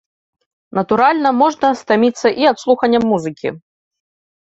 Натуральна, можна стаміцца і ад слухання музыкі.